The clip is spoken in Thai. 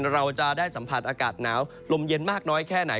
เราจะได้สัมผัสอากาศหนาวลมเย็นมากน้อยแค่ไหน